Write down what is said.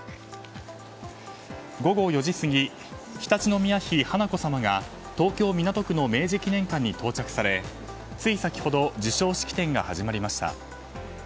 午後４時過ぎ常陸宮妃華子さまが東京・港区の明治記念館に到着されつい先ほど授賞式展が始まりました。